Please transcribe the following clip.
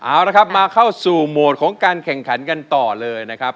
เอาละครับมาเข้าสู่โหมดของการแข่งขันกันต่อเลยนะครับ